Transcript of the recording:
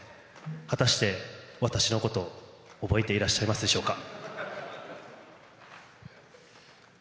果たして、私のこと覚えていらっしゃいますでしょうか。